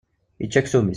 Yečča aksum-is.